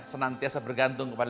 senantiasa bergantung keputusan dia